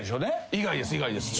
以外です。